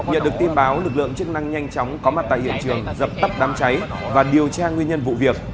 nhận được tin báo lực lượng chức năng nhanh chóng có mặt tại hiện trường dập tắp đám cháy và điều tra nguyên nhân vụ việc